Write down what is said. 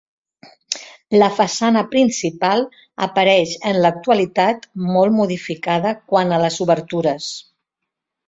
La façana principal apareix en l'actualitat molt modificada quant a les obertures.